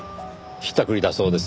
ひったくりだそうですよ。